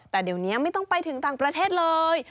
แต่เดี๋ยวนี้ไม่ต้องไปถึงต่างประเทศเลย